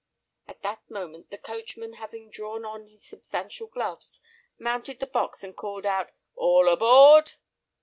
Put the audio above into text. At that moment, the coachman having drawn on his substantial gloves, mounted the box and called out "All aboard!"